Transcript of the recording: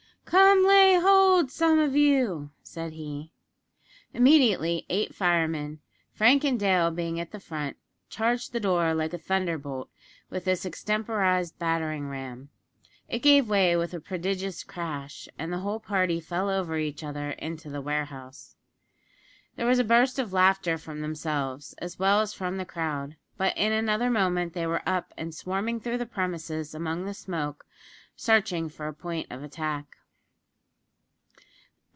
"Come, lay hold some of you!" said he. Immediately eight firemen, Frank and Dale being at the front, charged the door like a thunderbolt with this extemporised battering ram. It gave way with a prodigious crash, and the whole party fell over each other into the warehouse. There was a burst of laughter from themselves, as well as from the crowd; but in another moment they were up and swarming through the premises among the smoke, searching for a point of attack.